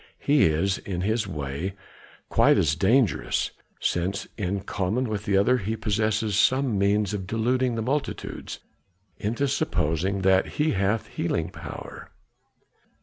He is, in his way, quite as dangerous, since in common with the other he possesses some means of deluding the multitudes into supposing that he hath healing power."